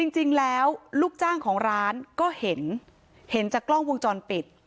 จริงแล้วลูกจ้างของร้านก็เห็นเห็นจากกล้องวงจรปิด